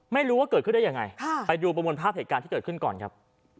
ไม่รู้ว่าเกิดขึ้นได้ยังไงไปดูประมวลภาพเหตุการณ์ที่เกิดขึ้นก่อนครับ